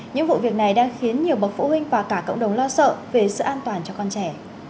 những vụ việc này đang khiến nhiều bậc phụ huynh và cả cộng đồng lo sợ về sự an toàn cho con trẻ